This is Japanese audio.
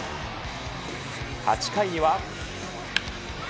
８回には。